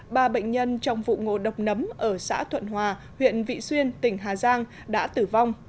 ba bệnh nhân trong vụ ngộ độc nấm ở xã thuận hòa huyện vị xuyên tỉnh hà giang đã tử vong